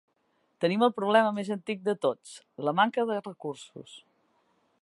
Tenim el problema més antic de tots, la manca de recursos.